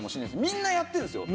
みんなやってんすよ。